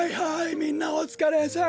みんなおつかれさん。